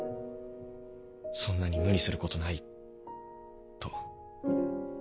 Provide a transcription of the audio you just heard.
そんなに無理することないと。